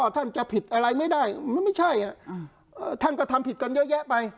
ท่านจะผิดอะไรไม่ได้มันไม่ใช่ท่านก็ทำผิดกันเยอะแยะไป